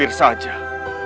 dinda amat kasih